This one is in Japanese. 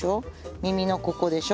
耳のここでしょ。